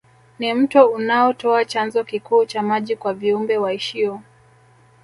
Ni mto unaotoa chanzo kikuu cha maji kwa viumbe waishio